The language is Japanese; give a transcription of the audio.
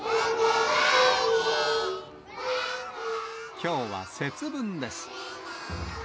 きょうは節分です。